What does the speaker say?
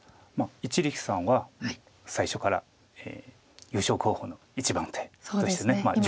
一力さんはもう最初から優勝候補の一番手として順調。